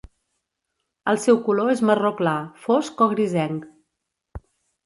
El seu color és marró clar, fosc o grisenc.